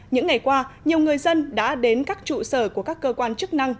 những ngày qua nhiều người dân đã đến các trụ sở của các cơ quan chức năng